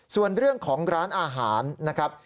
ส่วนเรื่องของร้านอาหารนะครับ